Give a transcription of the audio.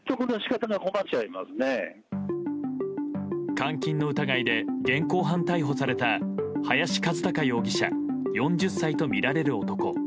監禁の疑いで現行犯逮捕された林一貴容疑者４０歳とみられる男。